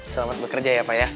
selamat bekerja ya pak